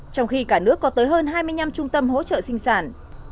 trong khi cả nước có tới hơn hai mươi năm trung tâm hỗ trợ sinh sản